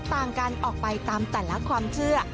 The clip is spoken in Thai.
ต่างกันออกไปตามแต่ละความเชื่อ